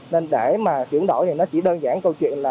nên để mà chuyển đổi thì nó chỉ đơn giản câu chuyện là